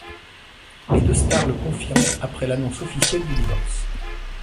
Les deux stars le confirment après l'annonce officielle du divorce.